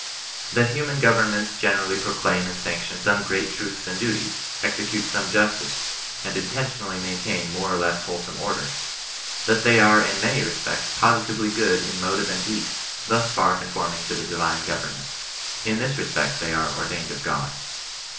4. That human govemments generally proclaim and sanction some great truths and duties, execute some justice, and intentionally maintain more or less wholesome order; that they are in many respects positively good in motive and deed, thus far conforming to the divine govemment. In this respect they are ordained of God.